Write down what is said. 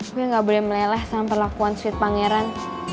gue gak boleh meleleh sama perlakuan sweet pangeran